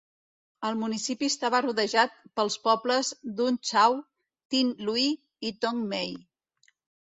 El municipi estava rodejat pels pobles d"Un Chau, Tin Liu i Tong Mei.